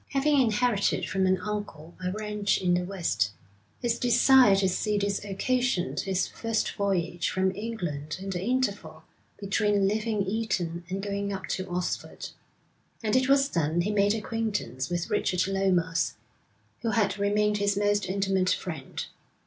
Having inherited from an uncle a ranch in the West, his desire to see this occasioned his first voyage from England in the interval between leaving Eton and going up to Oxford; and it was then he made acquaintance with Richard Lomas, who had remained his most intimate friend.